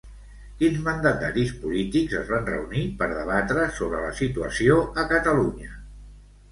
Quins mandataris polítics es van reunir per debatre sobre la situació a Catalunya?